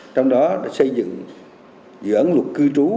trong đó xây dựng dự án luật cư trú